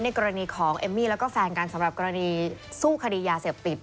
กรณีของเอมมี่แล้วก็แฟนกันสำหรับกรณีสู้คดียาเสพติด